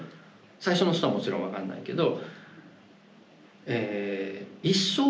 最初の人はもちろん分かんないけど。